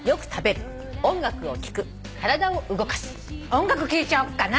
音楽聞いちゃおうかな。